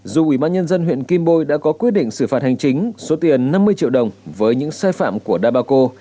dù ubnd huyện kim bôi đã có quyết định xử phạt hành chính số tiền năm mươi triệu đồng với những sai phạm của đà bà cộ